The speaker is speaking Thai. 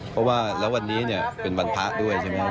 เพราะว่าแล้ววันนี้เนี่ยเป็นวันพระด้วยใช่ไหมครับ